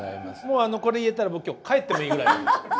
もうあのこれ言えたら僕今日帰ってもいいぐらいです。